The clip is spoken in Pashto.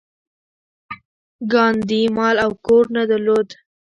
ګاندي مال او کور نه درلود.